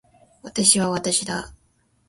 私は私だ